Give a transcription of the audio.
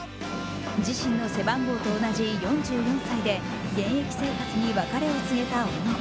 自身の背番号と同じ４４歳で現役生活に別れを告げた小野。